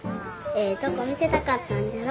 ええとこ見せたかったんじゃろ。